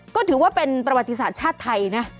ก็ถือว่าเป็นประวัติศาสตร์ชาติไทยนะ